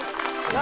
何？